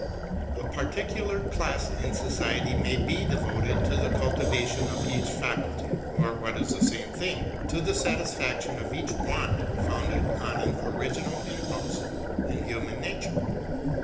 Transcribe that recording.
A particular class in society may be devoted to the cultivation of each faculty, or what is the same thing, to the satisfaction of each want founded on an original impulse in human nature.